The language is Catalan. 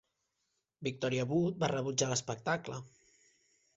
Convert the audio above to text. Victoria Wood va rebutjar l'espectacle.